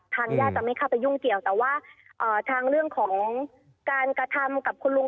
ทางญาติจะไม่เข้าไปยุ่งเกี่ยวแต่ว่าทางเรื่องของการกระทำกับคุณลุง